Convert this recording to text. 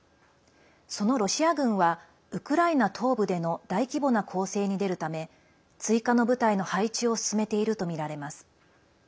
そのロシア軍はウクライナ東部での大規模な攻勢に出るため追加の部隊の配置を進めているとみられます。